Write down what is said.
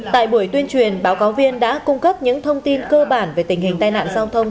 tại buổi tuyên truyền báo cáo viên đã cung cấp những thông tin cơ bản về tình hình tai nạn giao thông